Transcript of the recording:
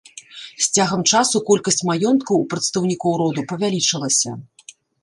З цягам часу колькасць маёнткаў у прадстаўнікоў роду павялічылася.